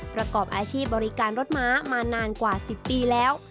ประกอบอาชีพบริการรถม้ามานานกว่า๑๐ปีแล้ว